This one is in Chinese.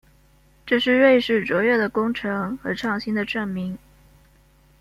这是瑞士卓越的工程和创新的证明。